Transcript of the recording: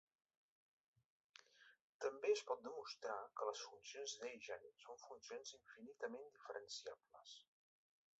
També es pot demostrar que les funcions d'eigen són funcions infinitament diferenciables.